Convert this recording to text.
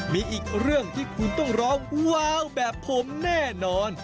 มีอีกเรื่องที่คุณต้องร้องว้าวแบบผมแน่นอน